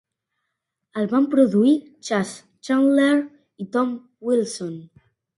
El van produir Chas Chandler i Tom Wilson.